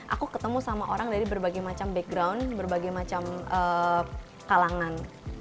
aku ketemu sama orang dari berbagai macam background berbagai macam kalangan